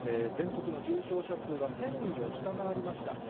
全国の重症者数は１０００人を下回りました。